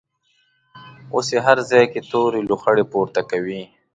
اوس یې هر ځای کې تورې لوخړې پورته کوي.